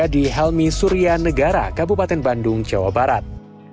di helmi surya negara kabupaten bandung jawa barat